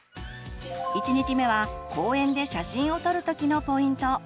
１日目は公園で写真を撮る時のポイント。